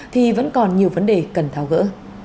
thì vẫn còn nhiều vấn đề cần thao gỡ